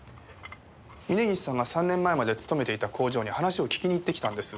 峰岸さんが３年前まで勤めていた工場に話を聞きにいってきたんです。